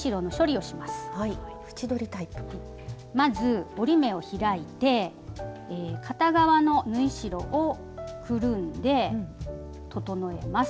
まず折り目を開いて片側の縫い代をくるんで整えます。